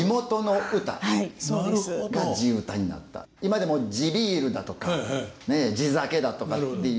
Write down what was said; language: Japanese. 今でも地ビールだとか地酒だとかっていう。